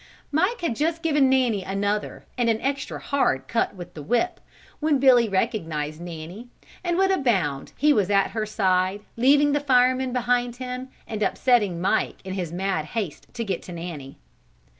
Mike had just given Nanny another and an extra hard cut with the whip, when Billy recognized Nanny and with a bound he was at her side leaving the fireman behind him and upsetting Mike in his mad haste to get to Nanny.